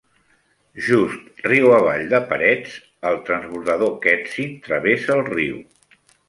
Just riu avall de Paretz, el transbordador Ketzin travessa el riu.